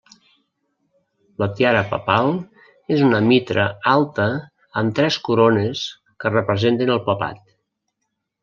La tiara papal és una mitra alta amb tres corones que representen el papat.